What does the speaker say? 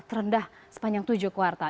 terendah sepanjang tujuh kuartal